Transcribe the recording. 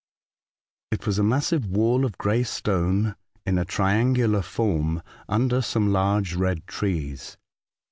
It was a massive wall of grey stone in a triangular form under some large red trees.